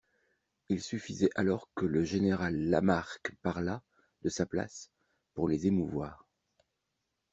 Il suffisait alors que le général Lamarque parlât, de sa place, pour les émouvoir.